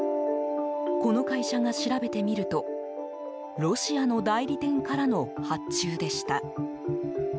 この会社が調べてみるとロシアの代理店からの発注でした。